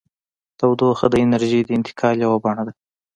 تودوخه د انرژۍ د انتقال یوه بڼه ده.